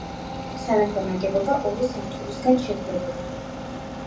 სამეფო ნაგებობა ორი სართულისაგან შედგებოდა.